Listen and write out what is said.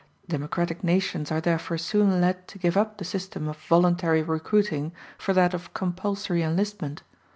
Democratic nations are therefore soon led to give up the system of voluntary recruiting for that of compulsory enlistment.